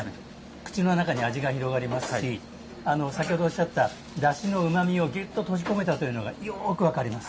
口の中に味が広がりますし先ほどおっしゃっただしのうまみをぎゅっと閉じ込めたというのがようく分かります。